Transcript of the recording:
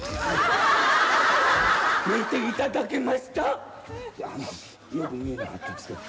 見ていただけました⁉よく見えなかったですけど。